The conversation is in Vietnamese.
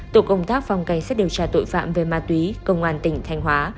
tổ công tác phòng cảnh sát điều tra tội phạm về ma túy công an tỉnh thanh hóa